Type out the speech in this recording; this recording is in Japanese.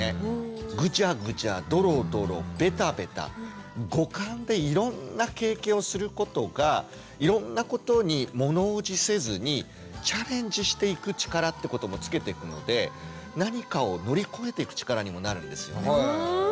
ぐちゃぐちゃドロドロベタベタ五感でいろんな経験をすることがいろんなことに物おじせずにチャレンジしていく力ってこともつけていくので何かを乗り越えていく力にもなるんですよね。